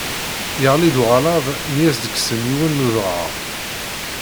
Yeɣli-d uɣalad mi as-d-kksen yiwen n udɣaɣ.